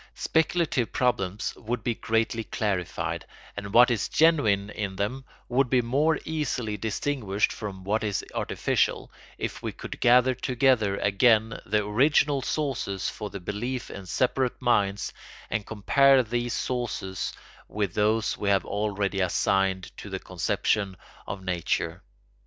Speculative problems would be greatly clarified, and what is genuine in them would be more easily distinguished from what is artificial, if we could gather together again the original sources for the belief in separate minds and compare these sources with those we have already assigned to the conception of nature.